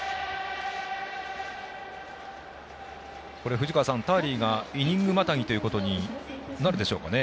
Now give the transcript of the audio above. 藤川さん、ターリーがイニングまたぎということになるでしょうかね。